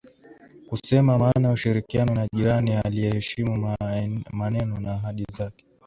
kusema maana ya ushirikiano na jirani aiyeheshimu maneno na ahadi zake